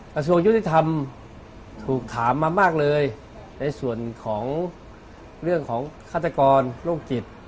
กระทรวงยุติธรรมถูกถามมามากเลยในส่วนของเรื่องของฆาตกรโรคจิต